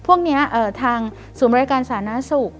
พวกนี้ทางศูนย์บริการสาธารณสุข